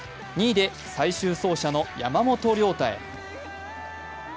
２位で最終走者の山本涼太へ。